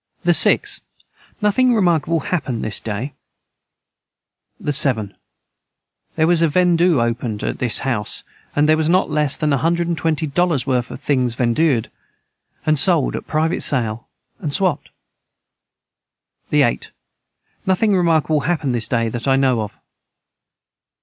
the 6. Nothing remarkable hapned this day. the 7. Their was a vendue opened att this house and their was not Less than a hundred and twenty Dollars worth of things vendued and sold at private sale and Swapt. the 8. Nothing remarkable hapned this day that I know of.